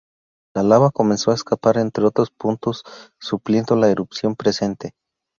La lava comenzó a escapar en otros puntos supliendo la erupción presente.